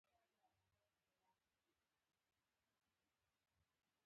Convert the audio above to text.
یا مو د هغه کرامت مراعات کړی دی.